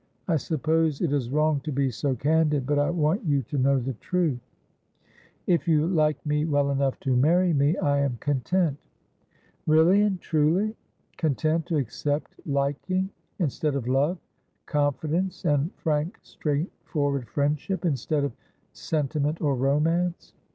I suppose it is wrong to be so candid ; but I want you to know the truth.' ' If you like me well enough to marry me, I am content.' ^For Wele or Wo, for Carole, or for Daunce^ 235 ' Eeally and truly ? Content to accept liking instead of love ; confidence and frank straightforward friendship instead of senti ment or romance